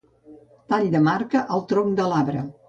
Tall de marca al tronc de l'arbre.